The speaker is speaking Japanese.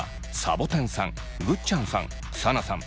ぼてんさんぐっちゃんさんサナさん